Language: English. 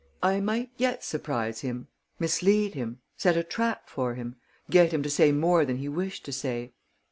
I might yet surprise him, mislead him, set a trap for him, get him to say more than he wished to say.